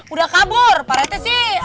udah kabur pak rete sih